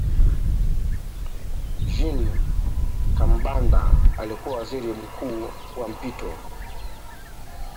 jean kambanda alikuwa waziri mkuu wa mpito